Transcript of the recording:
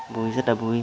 vui rất là vui